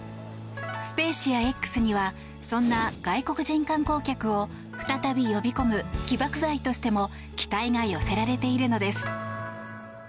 スペーシアＸにはそんな外国人観光客を再び呼び込む起爆剤としても期待が寄せられているのです。